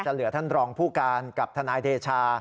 เหลือท่านรองผู้การกับทนายเดชา